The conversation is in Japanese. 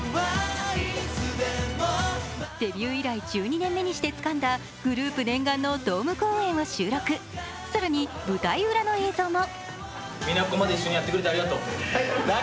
デビュー以来１２年目にしてつかんだグループ念願のドーム公演を収録更に舞台裏の映像も。